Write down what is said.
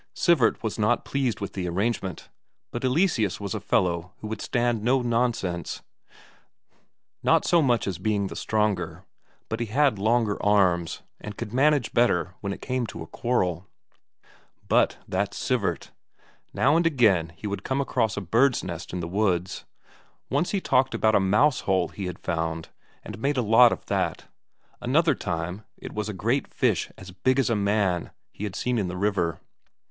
Sivert was not pleased with the arrangement, but Eleseus was a fellow who would stand no nonsense. Not so much as being the stronger, but he had longer arms, and could manage better when it came to a quarrel. But that Sivert! Now and again he would come across a bird's nest in the woods; once he talked about a mouse hole he had found, and made a lot of that; another time it was a great fish as big as a man, he had seen in the river.